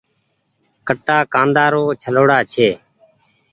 ڪٽآ کآنڊي رو ڇلوڙآ چي۔